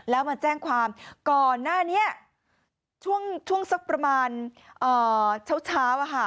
แล้วมาแจ้งความก่อนหน้านี้ช่วงสักประมาณเช้า